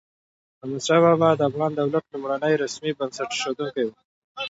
احمد شاه بابا د افغان دولت لومړنی رسمي بنسټ اېښودونکی و.